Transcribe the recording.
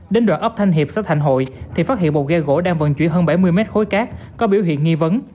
đến đoạn ấp thanh hiệp sắp thạnh hội thì phát hiện một ghe gỗ đang vận chuyển hơn bảy mươi m khối cát có biểu hiện nghi vấn